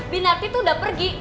binati tuh udah pergi